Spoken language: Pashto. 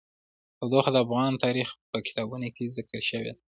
تودوخه د افغان تاریخ په کتابونو کې ذکر شوی دي.